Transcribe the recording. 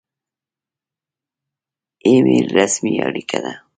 ایمیل رسمي اړیکه ده